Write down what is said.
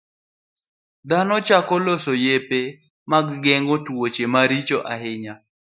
Dhano chako loso yedhe mag geng'o tuoche maricho ahinya.